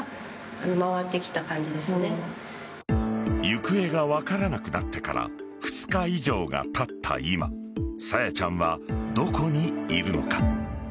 行方が分からなくなってから２日以上がたった今朝芽ちゃんは、どこにいるのか。